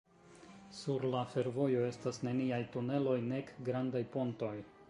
Sur la fervojo estas neniaj tuneloj nek grandaj pontoj.